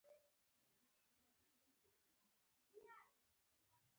څنګه کولی شم ترکیې ته لاړ شم